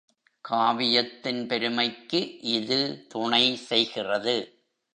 காவியத்தின் பெருமைக்கு இது துணை செய்கிறது.